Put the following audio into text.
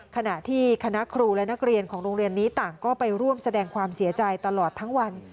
ขณะที่คณะครูและนักเรียนของโรงเรียนนี้ต่างก็ไปร่วมแสดงความเสียใจตลอดทั้งวัน